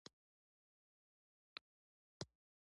د ايډېسن پلورونکو له دې ماشين سره علاقه ونه ښوده.